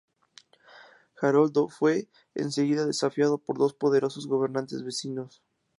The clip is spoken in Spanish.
Haroldo fue enseguida desafiado por dos poderosos gobernantes vecinos.